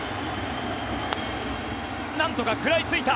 なんとか食らいついた！